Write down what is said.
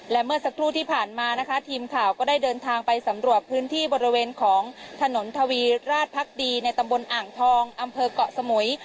และเมื่อสักครู่ที่ผ่านมานะคะทีมข่าวก็ได้เดินทางไปสำรวจพื้นที่บริเวณของถนนทวีราชพักดีในตำบลอ่างทองอำเภอกเกาะสมุย